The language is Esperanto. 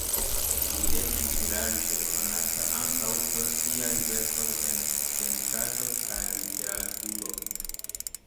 Li estis larĝe konata ankaŭ pro siaj verkoj en pentrado kaj literaturo.